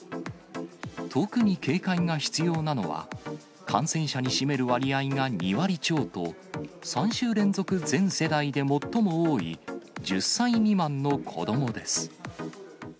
特に警戒が必要なのは、感染者に占める割合が２割超と、３週連続全世代で最も多い１０歳未満の子どもです。